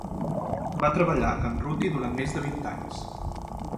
Va treballar a Can Ruti durant més de vint anys.